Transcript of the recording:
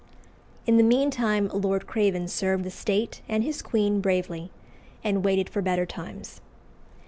In the meantime Lord Craven served the State and his queen bravely, and waited for better times.